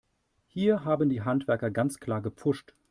Hier haben die Handwerker ganz klar gepfuscht.